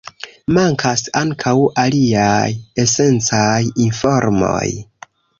Mankas ankaŭ aliaj esencaj informoj.